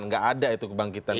tidak ada itu kebangkitan